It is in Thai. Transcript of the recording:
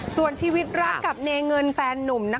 ส่วนชีวิตรักกับเน